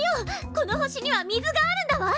この星には水があるんだわ！